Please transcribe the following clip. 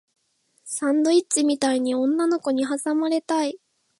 サンドイッチみたいに女の子に挟まれたい